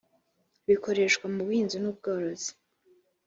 bikoreshwa mu buhinzi n’ubworozi